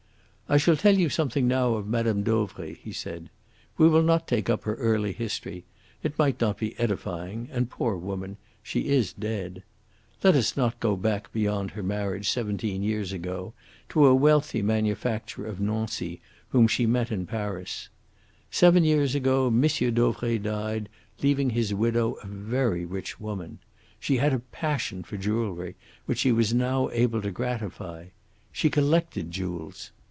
"I shall tell you something now of Mme. Dauvray," he said. "We will not take up her early history. It might not be edifying and, poor woman, she is dead. Let us not go back beyond her marriage seventeen years ago to a wealthy manufacturer of Nancy, whom she had met in Paris. Seven years ago M. Dauvray died, leaving his widow a very rich woman. She had a passion for jewellery, which she was now able to gratify. She collected jewels.